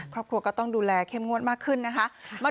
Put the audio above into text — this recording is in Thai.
ครอบครัวก็ต้องดูแลเข้มงวดมากขึ้นนะคะ